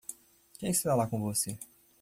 Quem está lá com você?